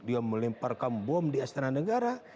dia melemparkan bom di astana negara